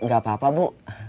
gak apa apa bu